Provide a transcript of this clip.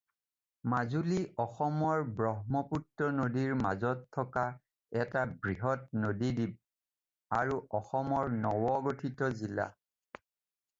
মাজুলী অসমৰ ব্ৰহ্মপুত্ৰ নদীৰ মাজত থকা এটা বৃহৎ নদীদ্বীপ আৰু অসমৰ নৱগঠিত জিলা।